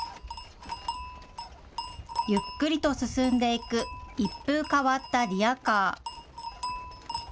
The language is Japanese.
ゆっくりと進んでいく一風変わったリヤカー。